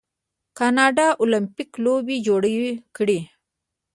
کاناډا المپیک لوبې جوړې کړي.